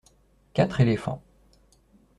Quatre éléphants.